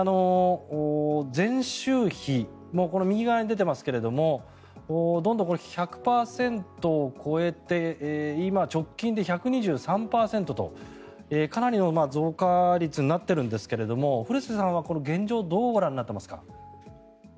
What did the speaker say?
前週比、この右側に出ていますがどんどん１００％を超えて今、直近で１２３％と、かなりの増加率になっているんですが古瀬さんはこの現状をどうご覧になっていますか？